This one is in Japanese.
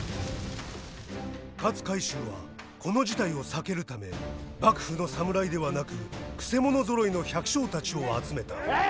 勝海舟はこの事態を避けるため幕府の侍ではなくくせ者ぞろいの百姓たちを集めた。